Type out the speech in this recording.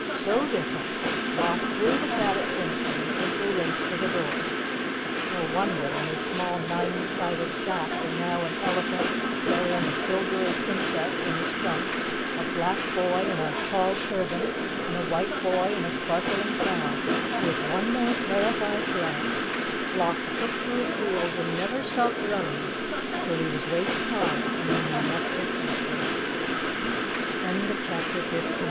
So different, Bloff threw the cat at Jinnicky and simply raced for the door. No wonder, in his small nine sided shack were now an elephant carrying a silvery Princess in his trunk, a black boy in a tall turban and a white boy in a sparkling crown. With one more terrified glance, Bloff took to his heels and never stopped running till he was waist high in the Nonestic Ocean. CHAPTER 16 All Together at Last "KABUMPO!